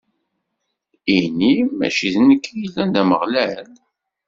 Eni mačči d nekk i yellan d Ameɣlal?